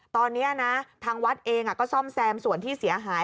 ตอนนี้นะทางวัดเองก็ซ่อมแซมส่วนที่เสียหาย